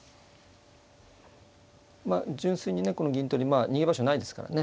純粋にねこの銀取り逃げ場所がないですからね。